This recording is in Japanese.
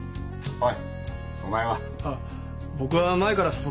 はい。